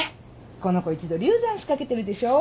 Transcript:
この子一度流産しかけてるでしょう。